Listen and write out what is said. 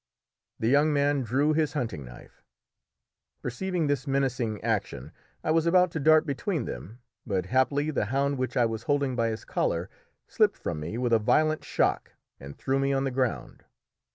The young man drew his hunting knife. Perceiving this menacing action, I was about to dart between them, but happily the hound which I was holding by his collar slipped from me with a violent shock and threw me on the ground.